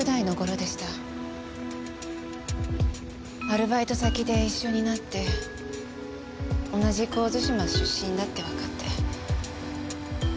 アルバイト先で一緒になって同じ神津島出身だってわかって。